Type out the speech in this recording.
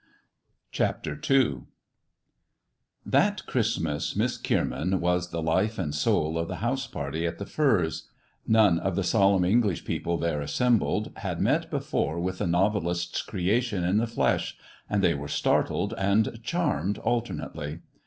CHAPTER II THAT Christmas Miss Kierman was the life and soul of the house party at The Firs. None of the solemn English people there assembled had met before with a noveUst's creation in the flesh, and they were startled and charmedalter nately.